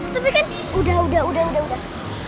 tapi kan udah udah udah udah